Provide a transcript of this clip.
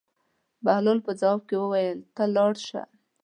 بهلول په ځواب کې وویل: ته لاړ شه.